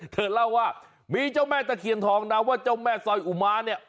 เธอเล่าว่ามีเจ้าแม่ตะเคียนทองนะว่าเจ้าแม่ซอยอุมาเนี่ย